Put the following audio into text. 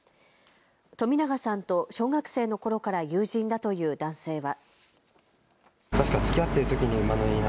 冨永さんと小学生のころから友人だという男性は。